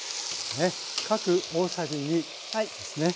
ね各大さじ２ですね。